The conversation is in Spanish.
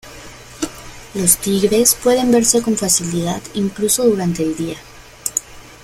Los tigres pueden verse con facilidad incluso durante el día.